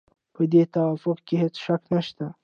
په دې توافق کې هېڅ شک نشته.